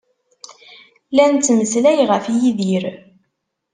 La nettmeslay ɣef Yidir.